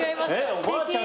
おばあちゃん